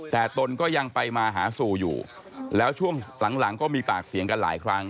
แต่ตนก็ยังไปมาหาสู่อยู่แล้วช่วงหลังก็มีปากเสียงกันหลายครั้ง